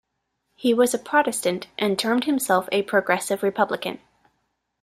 He was a Protestant and termed himself a Progressive Republican.